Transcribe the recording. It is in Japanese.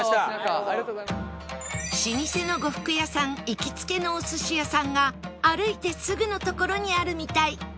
老舗の呉服屋さん行きつけのお寿司屋さんが歩いてすぐの所にあるみたい